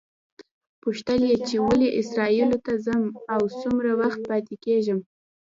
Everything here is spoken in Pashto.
پوښتل یې چې ولې اسرائیلو ته ځم او څومره وخت پاتې کېږم.